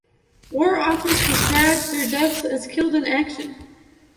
The War Office describes their deaths as Killed in Action.